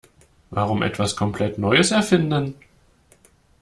Warum etwas komplett Neues erfinden?